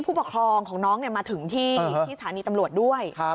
ตอนที่ผู้ปกครองของน้องมาถึงที่ศาลีตำรวจด้วย